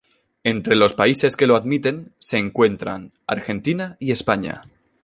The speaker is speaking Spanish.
Entre los países que lo admiten se encuentran Argentina y España.